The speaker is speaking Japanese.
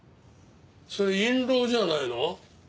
それ印籠じゃないの？